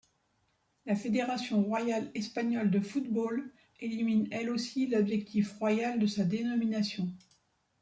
La Fédération royale espagnole de football élimine elle aussi l'adjectif royal de sa dénomination.